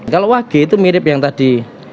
kalau wage itu mirip yang tadi